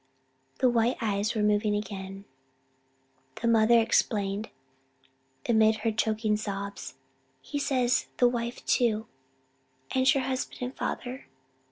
The white lips were moving again. The mother explained, amid her choking sobs. "He says the wife too, and and your husband and father.